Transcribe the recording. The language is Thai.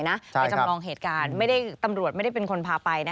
ไปจำลองเหตุการณ์ตำรวจไม่ได้เป็นคนพาไป